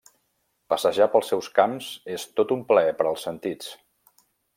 Passejar pels seus camps és tot un plaer per als sentits.